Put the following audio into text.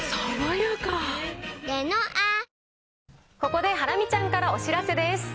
ここでハラミちゃんからお知らせです。